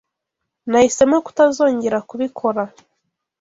Nahisemo kutazongera kubikora.